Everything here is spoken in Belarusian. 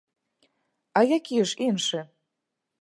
А які ж іншы?!